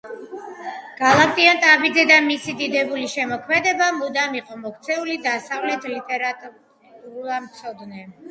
გალაკტიონ ტაბიძე და მისი დიდებული შემოქმედება მუდამ იყო მოქცეული დასავლეთის ლიტერატურათმცოდნე